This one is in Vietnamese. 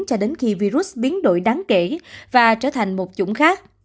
cho đến khi virus biến đổi đáng kể và trở thành một chủng khác